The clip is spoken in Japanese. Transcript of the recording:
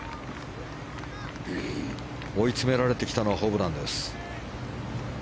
追い詰められてきたのはホブランです。